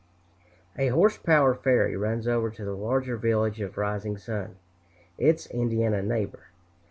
A horse power ferry runs over to the larger village of Rising Sun, its Indiana neighbor.